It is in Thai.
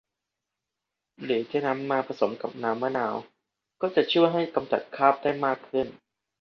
หรือจะนำมาผสมกับน้ำมะนาวก็จะช่วยให้กำจัดคราบได้มากขึ้น